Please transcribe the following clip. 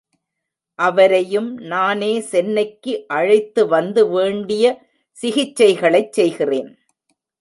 அவரையும் நானே சென்னைக்கு அழைத்து வந்து வேண்டிய சிகிச்சைகளைச் செய்கிறேன்.